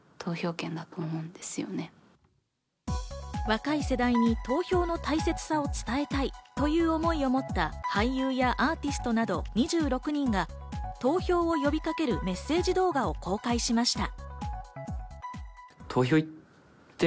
若い世代に投票の大切さを伝えたいという思いを持った俳優やアーティストなど２６人が投票を呼びかけるメッセージ動画を公開しました。